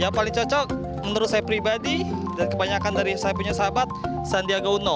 yang paling cocok menurut saya pribadi dan kebanyakan dari saya punya sahabat sandiaga uno